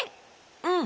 うん。